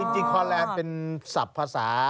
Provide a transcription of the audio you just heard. จริงคอแลนด์เป็นศัพท์ภาษา